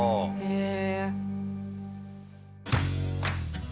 へえ。